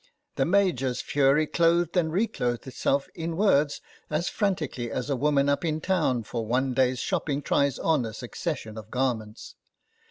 The Major's fury clothed and reclothed itself in words as frantically as a woman up in town for one day's shopping tries on a succession of garments.